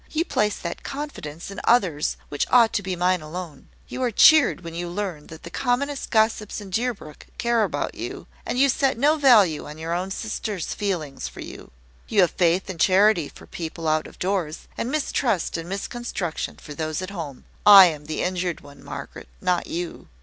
You place that confidence in others which ought to be mine alone. You are cheered when you learn that the commonest gossips in Deerbrook care about you, and you set no value on your own sister's feelings for you. You have faith and charity for people out of doors, and mistrust and misconstruction for those at home. I am the injured one, Margaret, not you."